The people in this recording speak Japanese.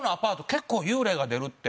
結構幽霊が出るって。